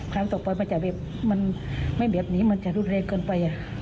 ความตกปล่อยมันจะไม่แบบนี้มันจะรุนแรงเกินไป